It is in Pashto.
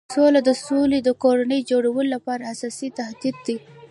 سوله د سولې د کورنۍ جوړولو لپاره اساسي تهدید دی.